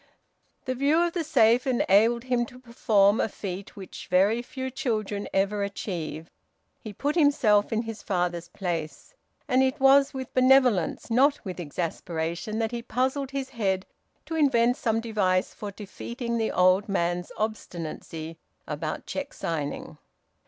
The view of the safe enabled him to perform a feat which very few children ever achieve; he put himself in his father's place. And it was with benevolence, not with exasperation, that he puzzled his head to invent some device for defeating the old man's obstinacy about cheque signing.